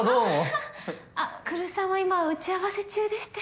ははっあっ来栖さんは今打ち合わせ中でして。